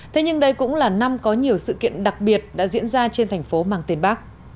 thế nhưng đây cũng là năm có nhiều sự kiện đặc biệt đã diễn ra trên thành phố mang tên bác